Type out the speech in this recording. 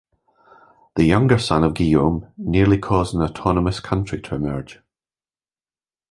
The younger son of Guillaume nearly caused an autonomous county to emerge.